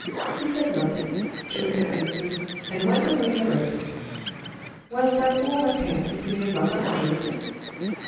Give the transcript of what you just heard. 'He said nothing,' Joseph answered, 'and went away directly.'" "Was that all that passed between your mother and Joseph?"